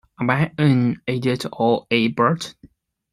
Am I an idiot and a brute?